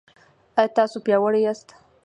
ایا تاسو پیاوړي یاست؟